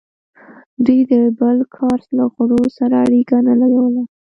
دوی د بل کاسټ له غړو سره اړیکه نه نیوله.